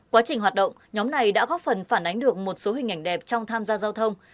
quá trình hoạt động nhóm này đã góp phần phản ánh được một số hình ảnh đẹp trong tham gia giao thông